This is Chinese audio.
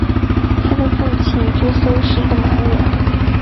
他的父亲瞽叟是个盲人。